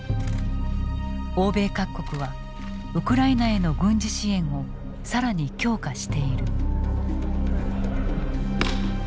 欧米各国はウクライナへの軍事支援を更に強化している。